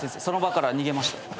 その場から逃げました。